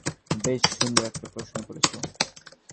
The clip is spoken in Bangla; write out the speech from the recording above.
বেশ সুন্দর একটা প্রশ্ন করেছ।